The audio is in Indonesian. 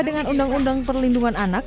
dengan undang undang perlindungan anak